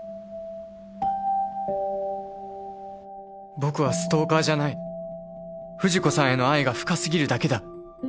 僕はストーカーじゃない藤子さんへの愛が深過ぎるだけだ